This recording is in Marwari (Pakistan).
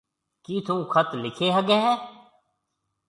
ڪِي ٿُون خط لکي هگھيَََ هيَ؟